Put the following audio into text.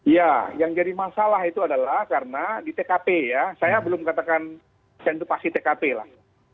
ya yang jadi masalah itu adalah karena di tkp ya saya belum katakan dan itu pasti tkp lah